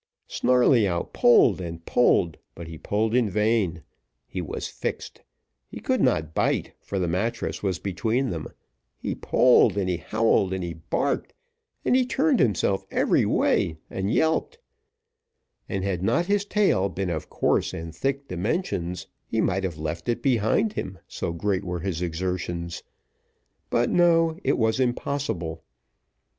Snarleyyow pulled, and pulled, but he pulled in vain he was fixed he could not bite, for the mattress was between them he pulled, and he howled, and barked, and turned himself every way, and yelped; and had not his tail been of coarse and thick dimensions, he might have left it behind him, so great were his exertions; but, no, it was impossible.